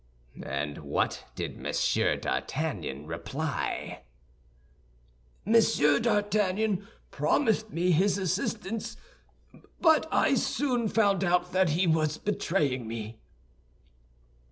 "And what did Monsieur d'Artagnan reply?" "Monsieur d'Artagnan promised me his assistance; but I soon found out that he was betraying me."